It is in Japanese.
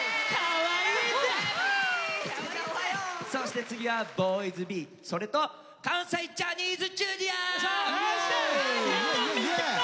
そして次はＢｏｙｓｂｅそれと関西ジャニーズＪｒ．！